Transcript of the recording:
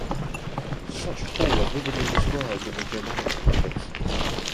Such hall are vividly described in the Germanic epics.